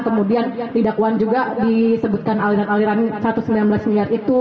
kemudian didakwaan juga disebutkan aliran aliran satu ratus sembilan belas miliar itu